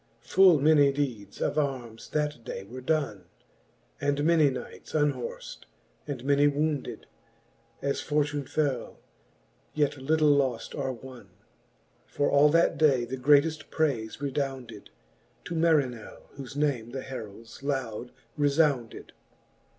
Full many deedes of armes that day" were donne, And many knights unhorft, and many wounded, As fortune fell ; yet litle loft or wonne : But all that day the greateft prayfe redounded To Marinell, whole name the heralds loud refbunded.